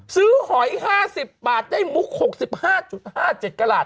ซื้อหอย๕๐บาทได้มุก๖๕๕๗กรัฐ